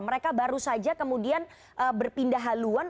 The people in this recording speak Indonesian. mereka baru saja kemudian berpindah haluan